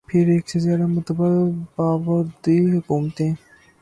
پھر ایک سے زیادہ مرتبہ باوردی حکومتیں۔